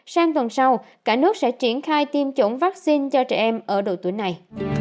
sang tuần sau cả nước sẽ triển khai tiêm chủng vaccine cho trẻ em ở độ tuổi này